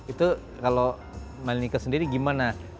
itu kalau melinika sendiri gimana